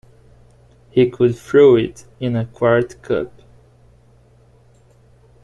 He could throw it in a quart cup.